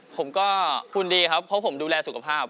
ผมก็หุ่นดีครับเพราะผมดูแลสุขภาพ